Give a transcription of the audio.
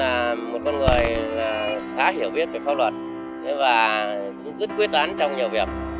bà lan là một con người khá hiểu biết về pháp luật và rất quyết toán trong nhiều việc